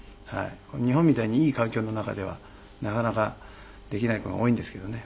日本みたいにいい環境の中ではなかなかできない子が多いんですけどね。